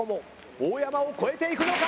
大山を超えていくのか？